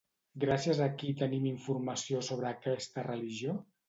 Gràcies a qui tenim informació sobre aquesta religió?